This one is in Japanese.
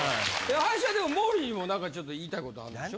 林はでも毛利にも何かちょっと言いたいことあるんでしょ。